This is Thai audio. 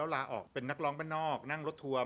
แล้วไงล่ะ